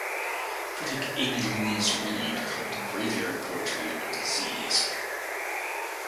Critic Amy Louise Reed called Graveyard poetry a disease.